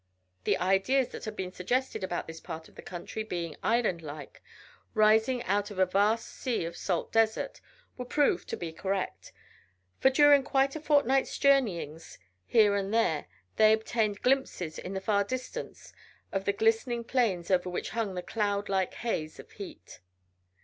The ideas that had been suggested about this part of the country being island like, rising out of a vast sea of salt desert, were proved to be correct, for during quite a fortnight's journeyings here and there they obtained glimpses in the far distance of the glistening plains over which hung the cloud like haze of heat.